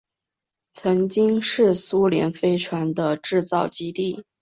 曾经是苏联飞船的制造基地。